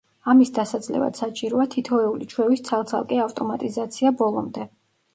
ამის დასაძლევად საჭიროა თითოეული ჩვევის ცალ-ცალკე ავტომატიზაცია ბოლომდე.